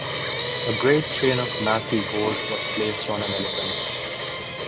A great chain of massy gold was placed on an elephant.